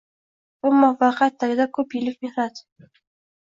Bu muvaffaqiyat tagida ko‘p yillik mehnat: